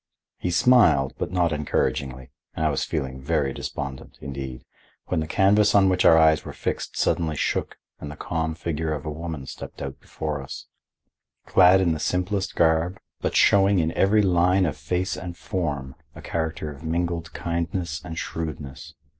He smiled, but not encouragingly, and I was feeling very despondent, indeed, when the canvas on which our eyes were fixed suddenly shook and the calm figure of a woman stepped out before us, clad in the simplest garb, but showing in every line of face and form a character of mingled kindness and shrewdness.